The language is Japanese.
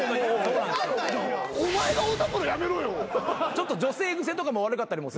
ちょっと女性癖とかも悪かったりもする。